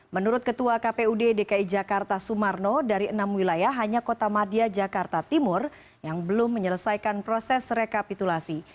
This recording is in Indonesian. menurut ketua kpud dki jakarta sumarno dari enam wilayah hanya kota madia jakarta timur yang belum menyelesaikan proses rekapitulasi